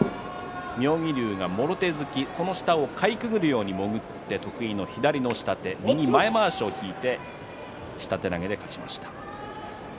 妙義龍が、もろ手突きその下をかいくぐるように潜って得意の左の下手、右前まわしを取って勝ちました。